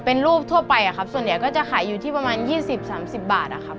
เป็นรูปทั่วไปอะครับส่วนใหญ่ก็จะขายอยู่ที่ประมาณ๒๐๓๐บาทอะครับ